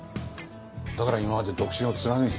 だから今まで独身を貫いてきた。